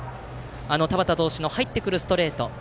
あの田端投手の入ってくるストレート。